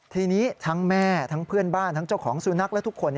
ทีนี้ทั้งแม่ทั้งเพื่อนบ้านทั้งเจ้าของสุนัขและทุกคน